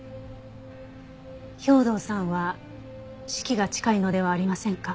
兵働さんは死期が近いのではありませんか？